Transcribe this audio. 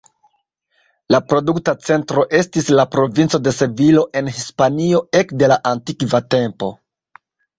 La produkta centro estis la provinco de Sevilo en Hispanio ekde la antikva tempo.